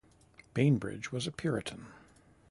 Bainbridge was a puritan.